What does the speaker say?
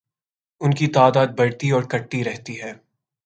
ان کی تعداد بڑھتی اور گھٹتی رہتی ہے